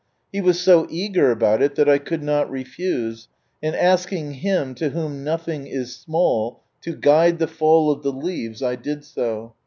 He was so eager about it that I could not refuse ; and asking Him, to whom nothing is small, to guide the fall of the leaves, 1 did so.